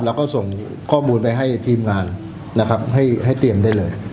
เราก็ส่งข้อมูลไปให้ทีมงานนะครับให้เตรียมได้เลย